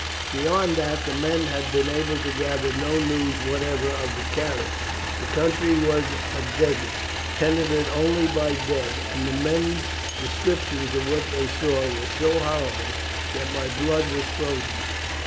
Beyond that, the men had been able to gather no news whatever of the carriage. The country was a desert, tenanted only by dead; and the men's descriptions of what they saw were so horrible that my blood was frozen.